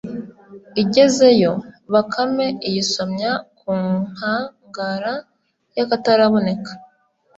igeze yo, bakame iyisomya ku nkangaza y’akataraboneka